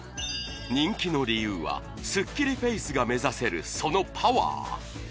人気の理由はすっきりフェースが目指せるそのパワー